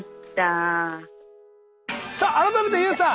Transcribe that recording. さあ改めてＹＯＵさん